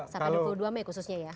satu dua mei khususnya ya